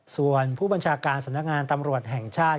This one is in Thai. ส่วนผู้บัญชาการสำนักงานตำรวจแห่งชาติ